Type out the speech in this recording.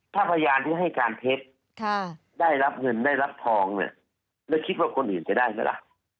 ถ้ารับเงินได้รับทองแล้วคิดว่าคนอื่นจะได้มั้ยล่ะ